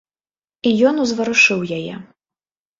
І ён узварушыў яе.